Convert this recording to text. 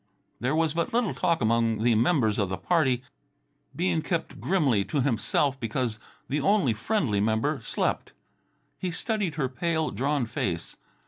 There was but little talk among the members of the party. Bean kept grimly to himself because the only friendly member slept. He studied her pale, drawn face.